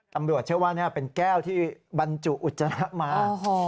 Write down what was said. ตำรวจเชื่อว่านี่เป็นแก้วที่บรรจุอุจจาระมา